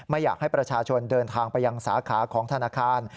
อยากให้ประชาชนเดินทางไปยังสาขาของธนาคาร